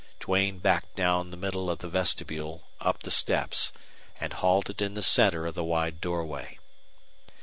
Duane backed down the middle of the vestibule, up the steps, and halted in the center of the wide doorway.